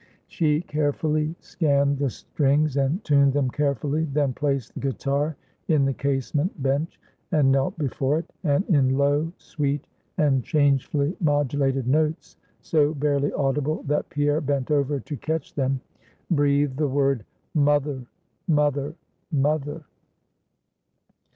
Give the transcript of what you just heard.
She carefully scanned the strings, and tuned them carefully; then placed the guitar in the casement bench, and knelt before it; and in low, sweet, and changefully modulated notes, so barely audible, that Pierre bent over to catch them; breathed the word mother, mother, mother!